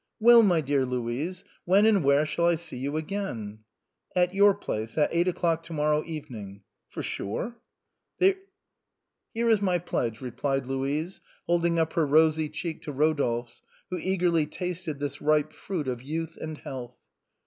" Well, my dear Louise, when and where shall I see you again ?" "At your place at eight o'clock to morrow evening." " For sure ?"" Here is my pledge," replied Louise, holding up her rosy cheek to Rodolphe's, who eagerly tasted this ripe fruit of youth and health.